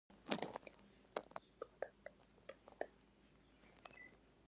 افغانستان تر هغو نه ابادیږي، ترڅو د موټر چلولو لایسنس په حق ورکړل نشي.